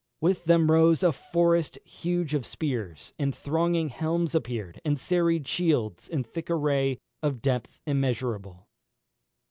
With them rose A forest huge of spears; and thronging helms Appear'd, and serried shields, in thick array, Of depth immeasurable.